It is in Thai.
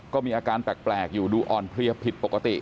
ก็มีอาการแปลกอยู่ดูอ่อนเพลียผิดปกติ